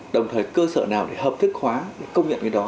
đồng thời cơ sở nào để hợp thiết khóa công nhận cái đó